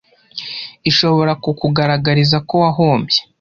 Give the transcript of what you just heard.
ishobora kukugaragariza ko wahombye